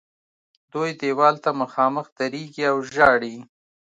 دوی دیوال ته مخامخ درېږي او ژاړي.